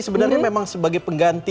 sebenarnya memang sebagai pengganti